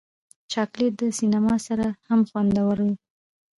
چاکلېټ له سینما سره هم خوندور وي.